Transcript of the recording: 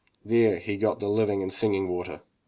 There he got the living and singing water.